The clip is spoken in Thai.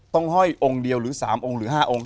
ห้อยองค์เดียวหรือ๓องค์หรือ๕องค์